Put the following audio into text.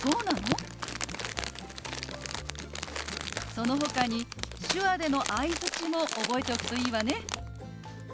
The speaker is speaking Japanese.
そのほかに手話での相づちも覚えておくといいわね。